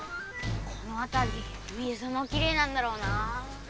このあたり水もきれいなんだろうな。